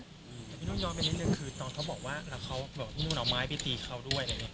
พี่นุ่นยอมไปนิดนึงคือตอนเขาบอกว่าแล้วเขาบอกพี่นุ่นเอาไม้พี่ตีเขาด้วย